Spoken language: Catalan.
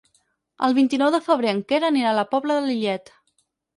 El vint-i-nou de febrer en Quer anirà a la Pobla de Lillet.